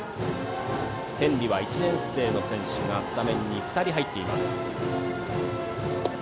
天理は１年生の選手がスタメンに２人、入っています。